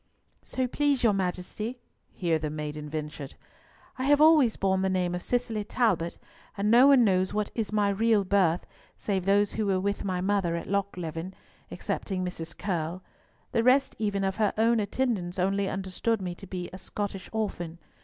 "So please your Majesty," here the maiden ventured, "I have always borne the name of Cicely Talbot, and no one knows what is my real birth save those who were with my mother at Lochleven, excepting Mrs. Curll. The rest even of her own attendants only understood me to be a Scottish orphan.